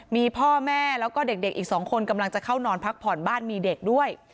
มีพ่อแม่แล้วก็เด็กอีก๒คนกำลังจะเข้านอนพักผ่อนบ้านมีเด็กด้วย